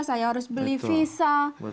saya harus beli visa